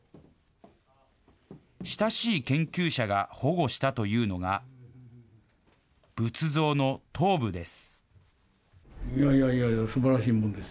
親しい研究者が保護したというのが、仏像の頭部です。